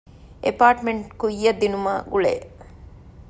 އެޕާޓްމަންޓް ކުއްޔަށް ދިނުމާ ގުޅޭ